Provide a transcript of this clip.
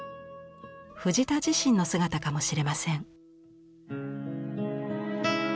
藤田自身の姿かもしれません。